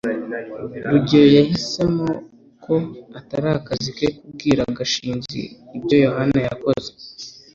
rugeyo yahisemo ko atari akazi ke kubwira gashinzi ibyo yohana yakoze